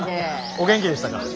お元気でしたか？